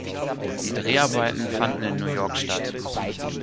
Die Dreharbeiten fanden in New York statt.